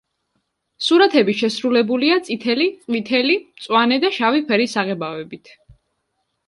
სურათები შესრულებულია წითელი, ყვითელი, მწვანე და შავი ფერის საღებავებით.